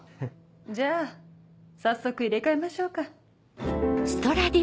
じゃあ早速入れ替えましょうか。